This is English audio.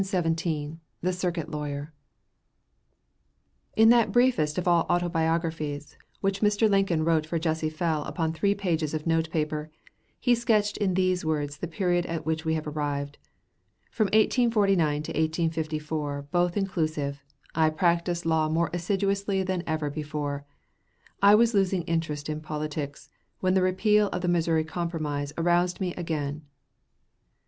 "] CHAPTER XVII THE CIRCUIT LAWYER In that briefest of all autobiographies, which Mr. Lincoln wrote for Jesse Fell upon three pages of note paper, he sketched in these words the period at which we have arrived: "From 1849 to 1854, both inclusive, I practiced law more assiduously than ever before ... I was losing interest in politics, when the repeal of the Missouri Compromise aroused me again."